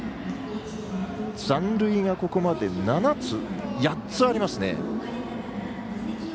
残塁がここまで８つありますね。